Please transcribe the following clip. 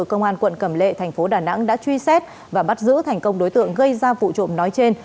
công an quận cầm lệ thành phố đà nẵng đã truy xét và bắt giữ thành công đối tượng gây ra vụ trộm nói trên